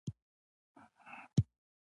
دا د روښانفکرۍ مهمې ځانګړنې دي.